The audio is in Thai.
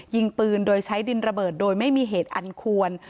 ยิงปืนโดยใช้ดินระเบิดโดยไม่มีเหตุอันควร